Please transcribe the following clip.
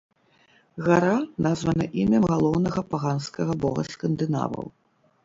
Гара названа імем галоўнага паганскага бога скандынаваў.